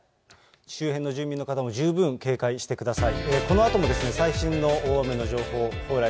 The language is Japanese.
周辺の住民の方も十分警戒してください。